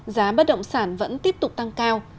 giá bất động sản vẫn tiếp tục tăng cao